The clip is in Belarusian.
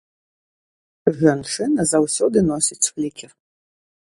Жанчына заўсёды носіць флікер.